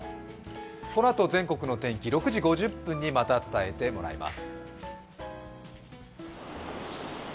このあと全国の天気６時５０分にまた伝えてもらいます。